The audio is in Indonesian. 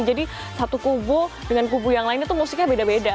jadi satu kubu dengan kubu yang lain itu musiknya beda beda